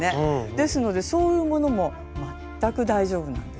ですのでそういうものも全く大丈夫なんですね。